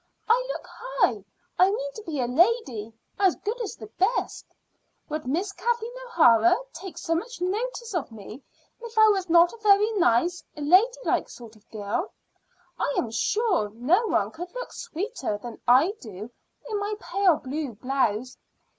I look high. I mean to be a lady, as good as the best. Would Miss Kathleen O'Hara take so much notice of me if I was not a very nice, lady like sort of a girl? I am sure no one could look sweeter than I do in my pale blue blouse.